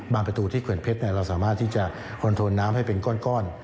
ประตูที่เขื่อนเพชรเราสามารถที่จะคอนโทนน้ำให้เป็นก้อน